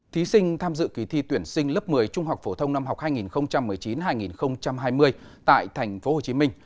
thí sinh tham dự kỳ thi tuyển sinh lớp một mươi trung học phổ thông năm học hai nghìn một mươi chín hai nghìn hai mươi tại tp hcm